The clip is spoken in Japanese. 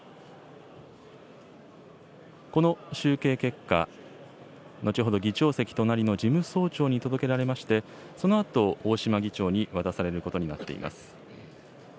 この集計結果、後ほど議長席隣の事務総長に届けられまして、そのあと、大島議長に渡されることになっています。